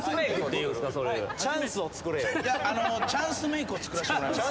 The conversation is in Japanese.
チャンスメイクをつくらせてもらいます。